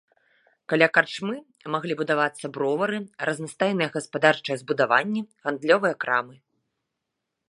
Каля карчмы маглі будавацца бровары, разнастайныя гаспадарчыя збудаванні, гандлёвыя крамы.